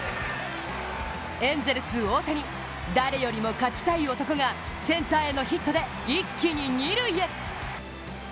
エンゼルス・大谷、誰よりも勝ちたい男がセンターへのヒットで一気に二塁へ。